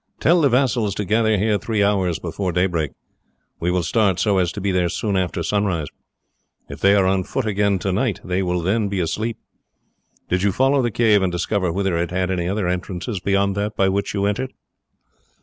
"Tell the vassals to gather here three hours before daybreak. We will start so as to be there soon after sunrise. If they are on foot again tonight they will then be asleep. Did you follow the cave and discover whether it had any other entrances beyond that by which you entered?"